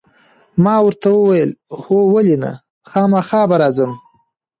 ما ورته وویل: هو، ولې نه، خامخا به راځم.